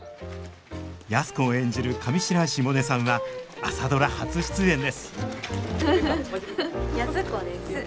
安子を演じる上白石萌音さんは「朝ドラ」初出演です安子です。